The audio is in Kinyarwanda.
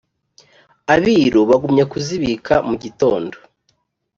Abiru bagumya kuzibika mu gitondo